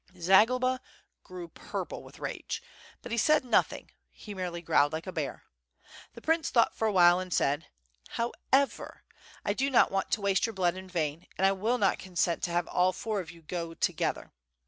Zagloba grew purple with rage, but he said nothing he merely growled like a bear. The prince thought for a while and said: "However, gentlemen, I do not want to waste your blood in vain, and I will not consent to have all four of you go together.